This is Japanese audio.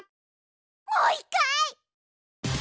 もう１かい！